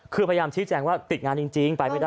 คือพยายามชี้แจงว่าติดงานจริงไปไม่ได้